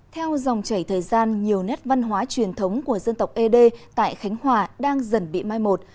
theo dòng chảy thời gian nhiều nét văn hóa truyền thống của dân tộc ế đê tại khánh hòa đang dần bị mai một